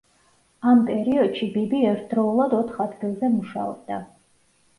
ამ პერიოდში ბიბი ერთდროულად ოთხ ადგილზე მუშაობდა.